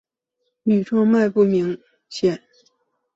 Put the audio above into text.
羽状脉不明显。